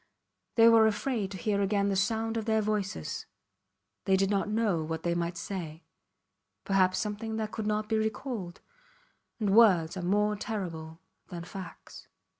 ... They were afraid to hear again the sound of their voices; they did not know what they might say perhaps something that could not be recalled; and words are more terrible than facts.